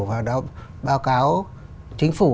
và đã báo cáo chính phủ